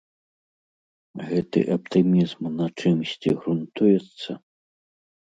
Гэты аптымізм на чымсьці грунтуецца?